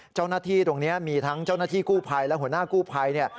เจ้าหน้าที่ตรงนี้มีทั้งเจ้าหน้าที่กู้ภัยและหัวหน้ากู้ภัยเนี่ย